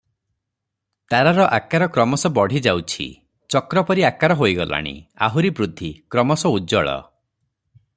ତାରାର ଆକାର କ୍ରମଶଃ ବଢ଼ି ଯାଉଛି, ଚକ୍ର ପରି ଆକାର ହୋଇଗଲାଣି, ଆହୁରି ବୃଦ୍ଧି, କ୍ରମଶଃ ଉଜ୍ଜ୍ୱଳ ।